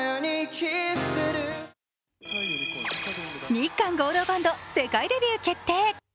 日韓合同バンド世界デビュー決定。